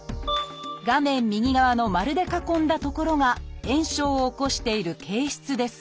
画面右側の丸で囲んだ所が炎症を起こしている憩室です